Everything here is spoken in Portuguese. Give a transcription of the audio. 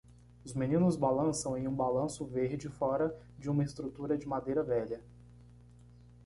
Os meninos balançam em um balanço verde fora de uma estrutura de madeira velha.